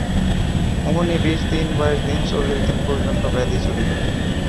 এমনি বিশ দিন, বাইশ দিন, চল্লিশ দিন পর্যন্ত ব্যাধি চলিল।